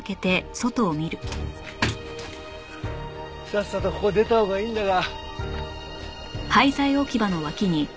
さっさとここを出たほうがいいんだが。